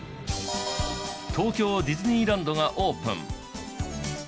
東京ディズニーランドがオープン。